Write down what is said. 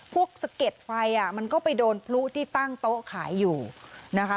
สะเก็ดไฟอ่ะมันก็ไปโดนพลุที่ตั้งโต๊ะขายอยู่นะคะ